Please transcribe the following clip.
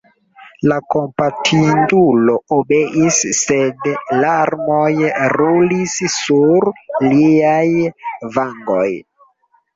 La kompatindulo obeis, sed larmoj rulis sur liaj vangoj.